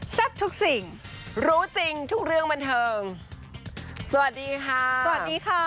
ทุกสิ่งรู้จริงทุกเรื่องบันเทิงสวัสดีค่ะสวัสดีค่ะ